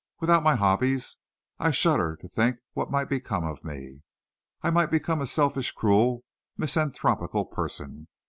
Without my hobbies, I shudder to think what might become of me. I might become a selfish, cruel, misanthropical person.